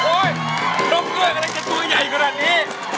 โอ๊ยนกเงือกอะไรจะตู้ใหญ่ก็แบบนี้